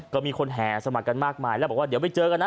ก็มีคนแห่สมัครกันมากมายแล้วบอกว่าเดี๋ยวไปเจอกันนะ